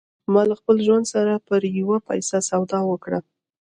ما له خپل ژوند سره پر یوه پیسه سودا وکړه